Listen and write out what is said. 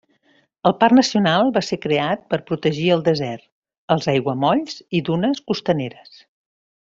El parc nacional va ser creat per protegir el desert, els aiguamolls i dunes costaneres.